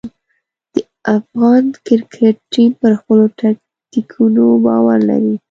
د افغان کرکټ ټیم پر خپلو ټکتیکونو باور لري.